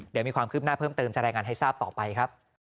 เดี๋ยวมีความคืบหน้าเพิ่มเติมจะรายงานให้ทราบต่อไปครับ